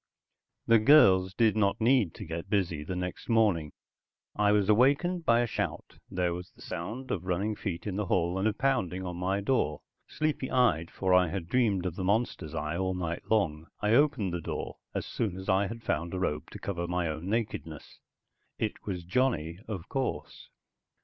The girls did not need to get busy the next morning. I was awakened by a shout, there was the sound of running feet in the hall, and a pounding on my door. Sleepy eyed, for I had dreamed of the monster's eye all night long, I opened the door as soon as I had found a robe to cover my own nakedness. It was Johnny, of course.